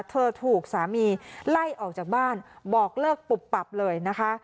เธอถูกสามีไล่ออกจากบ้านบอกเลิกปุบปับเลยนะคะ